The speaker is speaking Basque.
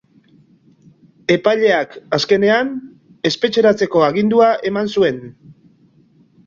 Epaileak, azkenean, espetxeratzeko agindua eman zuen.